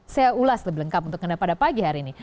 saya ulas lebih lengkap untuk anda pada pagi hari ini